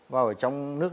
vào ở trong nước